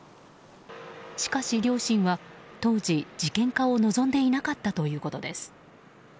しかし両親は当時、事件化を望んでいなかったということです。